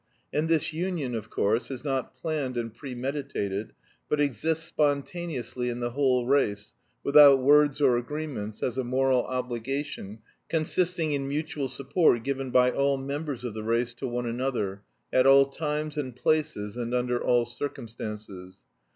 And this union, of course, is not planned and premeditated, but exists spontaneously in the whole race, without words or agreements as a moral obligation consisting in mutual support given by all members of the race to one another, at all times and places, and under all circumstances.